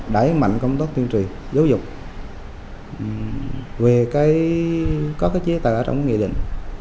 đẩy mạnh công tốt tuyên trì giáo dục về có cái chế tài ở trong nghị định